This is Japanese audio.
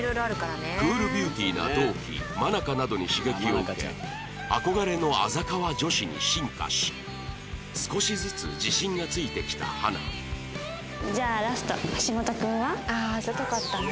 クールビューティーな同期愛香などに刺激を受け憧れのあざかわ女子に進化し少しずつ自信がついてきた花あああざとかったね。